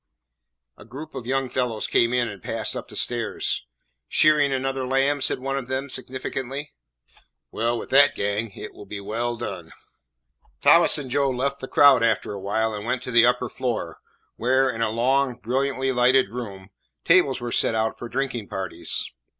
A group of young fellows came in and passed up the stairs. "Shearing another lamb?" said one of them significantly. "Well, with that gang it will be well done." Thomas and Joe left the crowd after a while, and went to the upper floor, where, in a long, brilliantly lighted room, tables were set out for drinking parties.